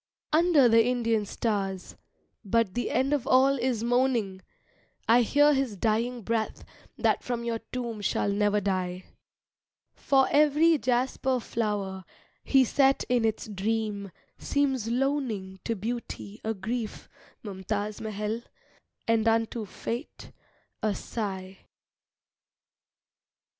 Under the Indian stars But the end of all is moaning! I hear his dying breath that from Your Tomb shall never die. For every jasper flower He set in its dream seems loaning To Beauty a grief, Mumtaz Mahal, And unto Fate a sigh.